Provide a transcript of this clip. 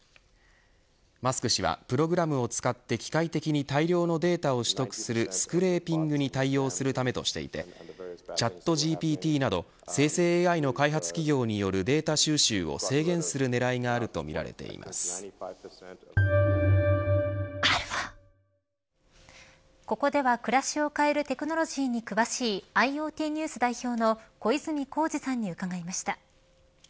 マスク氏はプログラムを使って機械的に大量のデータを取得するスクレ―ピングに対応するためとしていてチャットＧＰＴなど生成ＡＩの開発企業によるデータ収集を制限する狙いがここでは暮らしを変えるテクノロジーに詳しいＩｏＴＮＥＷＳ代表の小泉耕二さんに伺いました。